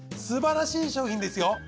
すばらしい商品ですよ。